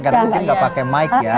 karena mungkin enggak pakai mic ya